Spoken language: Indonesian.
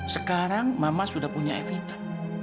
sekarang mama sudah punya evita